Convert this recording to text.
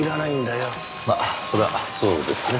まあそれはそうですね。